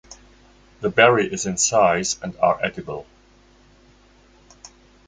The berry is in size and are edible.